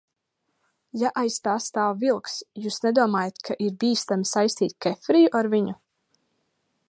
Ja aiz tā stāv Vilkss, jūs nedomājat, ka ir bīstami saistīt Kefriju ar viņu?